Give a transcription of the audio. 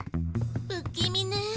不気味ね。